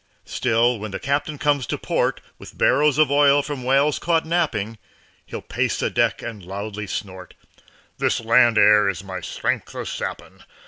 Still when the Captain comes to port With barrels of oil from whales caught napping, He'll pace the deck, and loudly snort, "This land air is my strength a sapping.